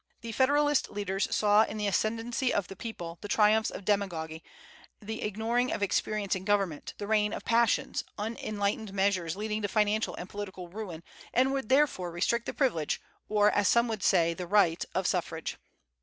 The Federalist leaders saw in the ascendency of the people the triumphs of demagogy, the ignoring of experience in government, the reign of passions, unenlightened measures leading to financial and political ruin, and would therefore restrict the privilege, or, as some would say, the right, of suffrage.